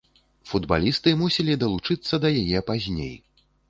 Футбалісты мусілі далучыцца да яе пазней.